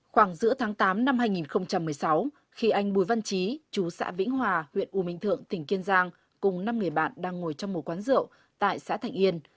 khoảng giữa tháng tám năm hai nghìn một mươi sáu khi anh bùi văn trí chú xã vĩnh hòa huyện u minh thượng tỉnh kiên giang cùng năm người bạn đang ngồi trong một quán rượu tại xã thạnh yên